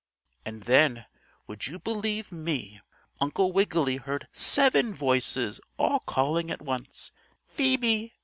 And then, would you believe me, Uncle Wiggily heard seven voices, all calling at once: "Phoebe!